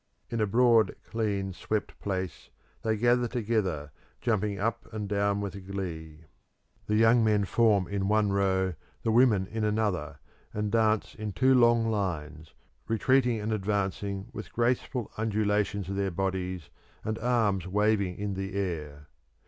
In a broad, clean swept place they gather together, jumping up and down with glee; the young men form in one row, the women in another, and dance in two long lines, retreating and advancing with graceful undulations of their bodies and arms waving in the air.